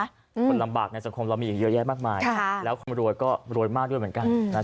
คนลำบากในสังคมเรามีอีกเยอะแยะมากมายแล้วคนรวยก็รวยมากด้วยเหมือนกัน